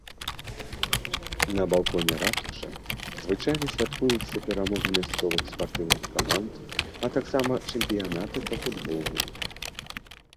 На балконе ратушы звычайна святкуюцца перамогі мясцовых спартыўных каманд, а таксама чэмпіянаты па футболу.